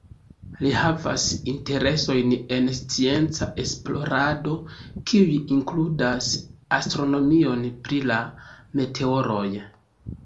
Li havas interesojn en scienca esplorado, kiuj inkludas astronomion pri la meteoroj.